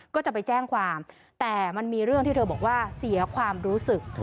ก็จะไปแจ้งความแต่มันมีเรื่องที่เธอบอกว่าเสียความรู้สึก